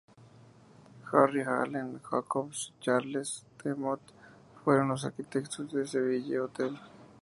Harry Allen Jacobs y Charles T. Mott fueron los arquitectos del Seville Hotel.